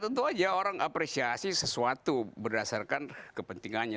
tentu saja orang apresiasi sesuatu berdasarkan kepentingannya